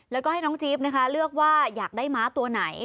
แล้วก็ให้น้องจี๊บนะคะเลือกว่าอยากได้ม้าตัวไหน